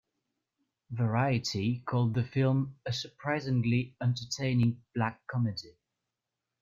"Variety" called the film "a surprisingly entertaining black comedy.